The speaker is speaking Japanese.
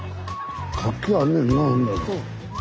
活気あんねんなほんなら。